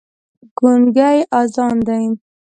ګونګی اذان دی